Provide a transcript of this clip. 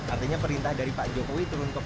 artinya perintah dari pak jokowi turun ke pak jokowi